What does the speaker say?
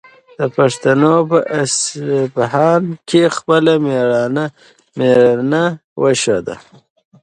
پښتنو په اصفهان کې خپله مېړانه وښوده.